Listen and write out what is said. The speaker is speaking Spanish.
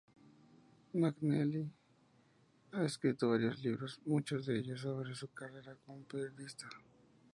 MacNeil ha escrito varios libros, muchos de ellos sobre su carrera como periodista.